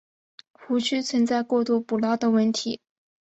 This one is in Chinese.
湖区存在过度捕捞的问题。